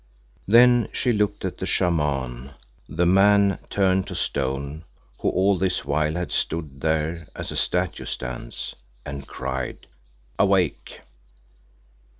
Then she looked at the Shaman, the man turned to stone who all this while had stood there as a statue stands, and cried "Awake!"